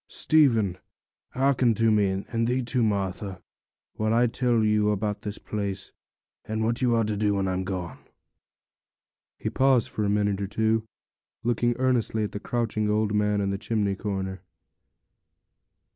Stephen, hearken to me, and thee too, Martha, while I tell you about this place, and what you are to do when I'm gone.' He paused for a minute or two, looking earnestly at the crouching old man in the chimney corner.